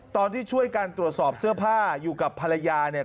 ตอนที่ช่วยการตรวจสอบเสื้อผ้าอยู่กับภรรยาเนี่ย